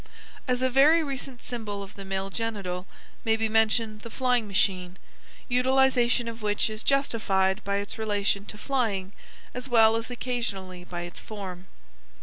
As a very recent symbol of the male genital may be mentioned the flying machine, utilization of which is justified by its relation to flying as well as occasionally by its form.